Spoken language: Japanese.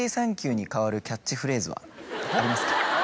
ありますか？